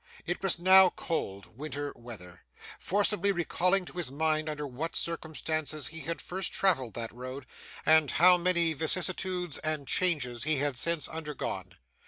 It was now cold, winter weather: forcibly recalling to his mind under what circumstances he had first travelled that road, and how many vicissitudes and changes he had since undergone.